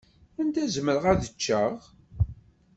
Anda zemreɣ ad ččeɣ.